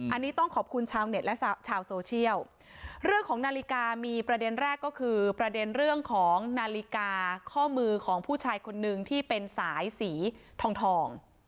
อันนี้ต้องขอบคุณชาวเน็ตและชาวโซเชียลเรื่องของนาฬิกามีประเด็นแรกก็คือประเด็นเรื่องของนาฬิกาข้อมือของผู้ชายคนนึงที่เป็นสายสีทองทอง